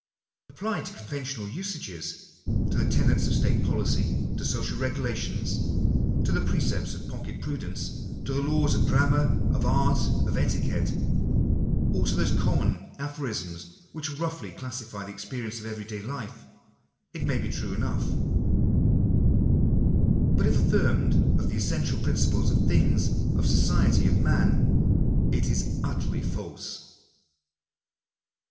Applied to conventional usages — to the tenets of state policy — to social regulations — to the precepts of pocket prudence — to the laws of grammar, of art, of etiquette — or to those common aphorisms which roughly classify the experiences of every day life, it may be true enough ; but if affirmed of the essential principles of things, of society, of man, it is utterly false.